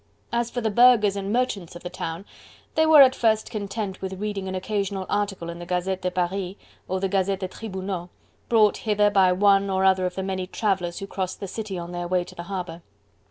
As for the burghers and merchants of the town, they were at first content with reading an occasional article in the "Gazette de Paris" or the "Gazette des Tribunaux," brought hither by one or other of the many travellers who crossed the city on their way to the harbour.